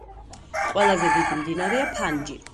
ყველაზე დიდი მდინარეა ფანჯი.